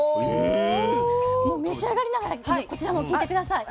召し上がりながらこちらも聞いて下さい。